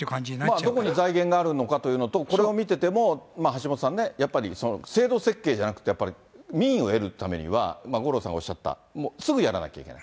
どこに財源があるのかというのと、これを見てても、橋下さんね、やっぱり制度設計じゃなくて、やっぱり民意を得るためには、五郎さんがおっしゃった、もうすぐやらなきゃいけない。